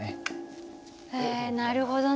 へえなるほどね。